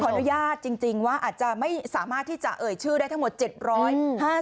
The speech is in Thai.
ขออนุญาตจริงว่าอาจที่จะเก่าชื่อได้ทั้งหมด๗๕๐คน